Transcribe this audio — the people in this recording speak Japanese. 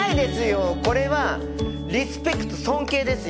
これはリスペクト尊敬ですよ！